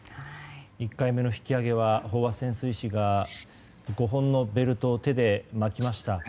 １回目の引き揚げは飽和潜水士が５本のベルトを手で巻きました。